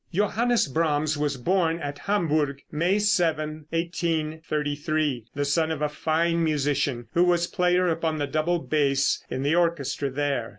Johannes Brahms was born at Hamburgh, May 7, 1833, the son of a fine musician who was player upon the double bass in the orchestra there.